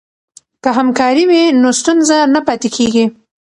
که همکاري وي نو ستونزه نه پاتې کیږي.